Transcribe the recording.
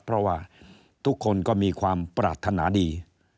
เพราะว่าทุกคนก็มีความปรารถนาดี